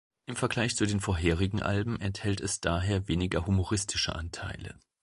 Im Vergleich zu den vorherigen Alben enthält es daher weniger humoristische Anteile.